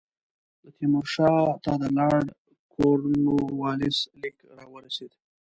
د تیمور شاه ته د لارډ کورنوالیس لیک را ورسېد.